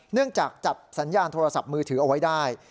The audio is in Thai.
จากจัดสัญญาณโทรศัพท์มือถือเอาไว้ได้